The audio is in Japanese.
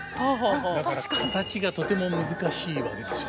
だから形がとても難しいわけですよね。